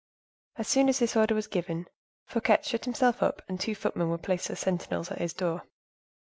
As soon as this order was given, Fouquet shut himself up, and two footmen were placed as sentinels at his door.